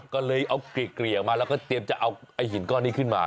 ก็เลยเอาเกลี่ยออกมาแล้วก็เตรียมจะเอาไอ้หินก้อนนี้ขึ้นมา